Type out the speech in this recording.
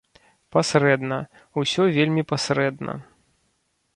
Пасрэдна, усё вельмі пасрэдна.